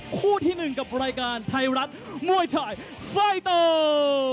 คู่ที่๑กับรายการไทยรัฐมวยไทยไฟเตอร์